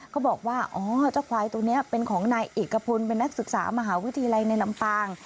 เขาบอกว่าอ๋อเจ้าควายตัวนี้เป็นของนายเอกพลเป็นนักศึกษามหาวิทยาลัยในลำปาง